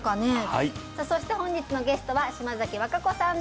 はいさあそして本日のゲストは島崎和歌子さんです